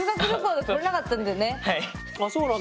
あっそうなんだ。